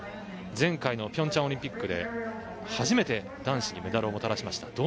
前回の平昌オリンピックで初めて男子にメダルをもたらしました。